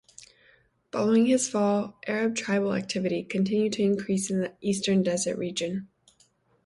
Following his fall, Arab tribal activity continued to increase in the Eastern Desert region.